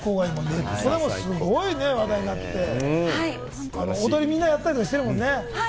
ネットでもすごい話題になって、踊り、みんなやったりしてるもんね。